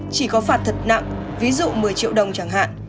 chỉ có phạt thật nặng ví dụ một mươi triệu đồng chẳng hạn